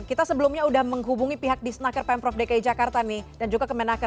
kita sebelumnya sudah menghubungi pihak di snaker pemprov dki jakarta nih dan juga kemenaker